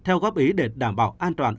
theo góp ý để đảm bảo an toàn